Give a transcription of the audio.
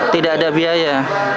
tidak ada biaya